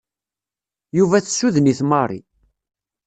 Yuba tessuden-it Marie.